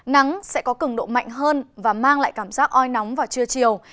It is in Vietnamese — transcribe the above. nắng sẽ có cường độ mạnh hơn và mang lại cảm giác oi nóng vào trưa chiều